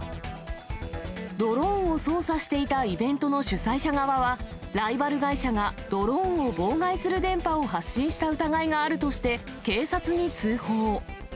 ドローンを操作していたイベントの主催者側は、ライバル会社が、ドローンを妨害する電波を発信した疑いがあるとして、警察に通報。